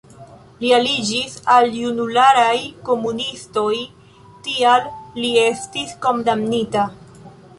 Li aliĝis al junularaj komunistoj, tial li estis kondamnita.